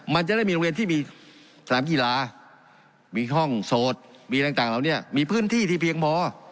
มันจะได้มีโรงเรียนที่มีสนามกีฬามีห้องโสดมีอะไรต่างเหล่านี้มีพื้นที่ที่เพียงพอ